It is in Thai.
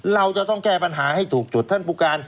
เราจะต้องแก้ปัญหาให้ถูกจุด